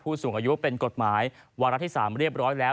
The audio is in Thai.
สูงอายุเป็นกฎหมายวาระที่๓เรียบร้อยแล้ว